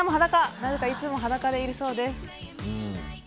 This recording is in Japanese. なぜかいつも裸でいるそうです。